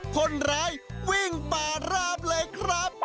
คนร้ายวิ่งป่าราบเลยครับ